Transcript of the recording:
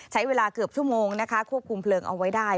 ใช้เวลาเกือบชั่วโมงนะคะควบคุมเพลิงเอาไว้ได้